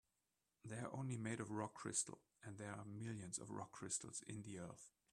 They're only made of rock crystal, and there are millions of rock crystals in the earth.